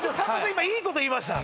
今いいこと言いました